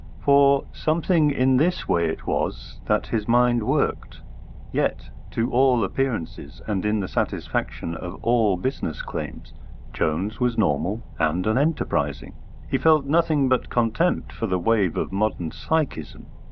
For something in this way it was that his mind worked. Yet, to all appearances, and in the satisfaction of all business claims, Jones was normal and unenterprising. He felt nothing but contempt for the wave of modern psychism.